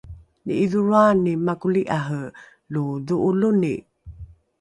ni’idholroani makoli’are lo dho’oloni